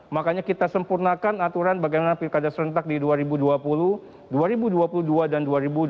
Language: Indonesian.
makanya kita sempurnakan aturan bagaimana pilkada serentak di dua ribu dua puluh dua ribu dua puluh dua dan dua ribu dua puluh